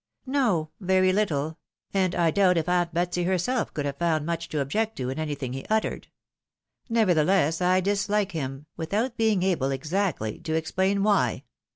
" No ; very little — and I doubt if aunt Betsy herself could have found much to object to in anything he uttered. Never theless, I dislike him, without being able exactly to explain why."